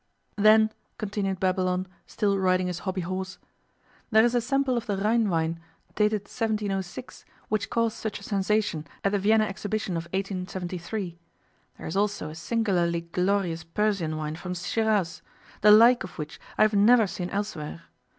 'Then,' continued Babylon, still riding his hobby horse, 'there is a sample of the Rhine wine dated 1706 which caused such a sensation at the Vienna Exhibition of 1873. There is also a singularly glorious Persian wine from Shiraz, the like of which I have never seen elsewhere.